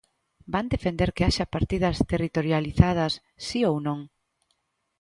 ¿Van defender que haxa partidas territorializadas, si ou non?